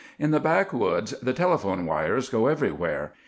In the backwoods the telephone wires go everywhere.